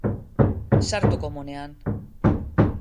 Sartu komunean.